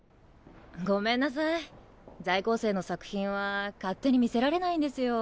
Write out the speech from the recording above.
在校生の作品は勝手に見せられないんですよ。